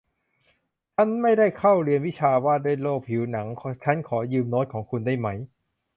ชั้นไม่ได้เข้าชั้นเรียนวิชาว่าด้วยโรคผิวหนัง ฉันขอยืมโน้ตของคุณได้ไหม